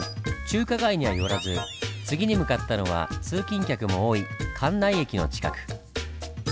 中華街には寄らず次に向かったのは通勤客も多い関内駅の近く。